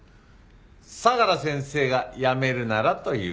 相良先生が辞めるならという事ですか。